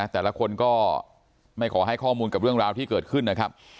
แต่ละคนก็ไม่ขอให้ข้อมูลกับเรื่องราวที่เกิดขึ้นนะครับ